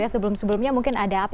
sebelum sebelumnya mungkin ada apa